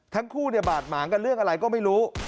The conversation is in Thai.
ทั้งคู่บาดหมางกันเรื่องอะไรก็ไม่รู้